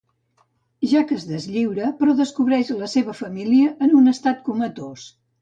Jack es deslliura, però descobreix la seva família en un estat comatós.